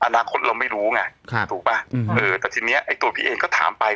อนาคตเราไม่รู้ไงถูกป่ะแต่ทีนี้ไอ้ตัวพี่เองก็ถามไป